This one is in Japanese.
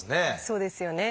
そうですよね。